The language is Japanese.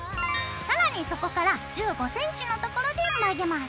更にそこから１５センチのところで曲げます。